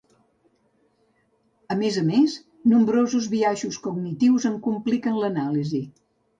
A més a més, nombrosos biaixos cognitius en compliquen l'anàlisi.